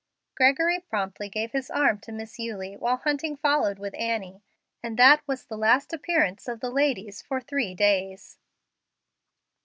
Gregory promptly gave his arm to Miss Eulie, while Hunting followed with Annie, and that was the last appearance of the ladies for three days.